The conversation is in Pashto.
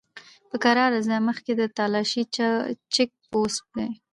په کرار ځه! مخکې د تالاشی چيک پوسټ دی!